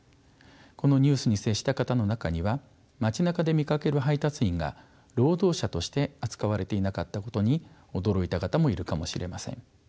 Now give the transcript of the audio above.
このニュースに接した方の中には街なかで見かける配達員が労働者として扱われていなかったことに驚いた方もいるかもしれません。